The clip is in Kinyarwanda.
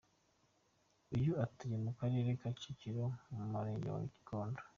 Ubu atuye mu karere ka Kicukiro mu murenge wa Gikondo.